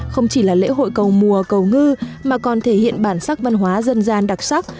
không chỉ là lễ hội cầu mùa cầu ngư mà còn thể hiện bản sắc văn hóa dân gian đặc sắc